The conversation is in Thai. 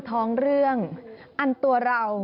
ปีภาษ